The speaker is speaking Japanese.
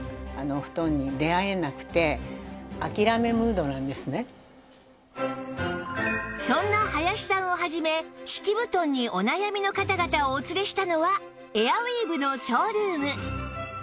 実はではそんな林さんを始め敷き布団にお悩みの方々をお連れしたのはエアウィーヴのショールーム